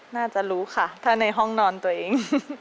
น่าจะรู้ค่ะถ้าในห้องนอนตัวเอง